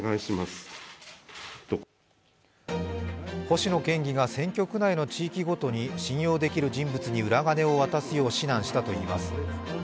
星野県議が選挙区内の地域ごとに、信用できる人物に裏金を渡すよう指南したといいます。